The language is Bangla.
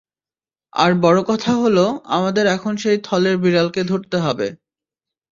আর বড় কথা হলো আমাদের এখন সেই থলের বিড়ালকে ধরতে হবে।